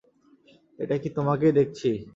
এটা কি তোমাকেই দেখছি?